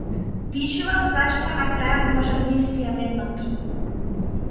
Пишувам зашто на крајот можам да испијам едно пиво.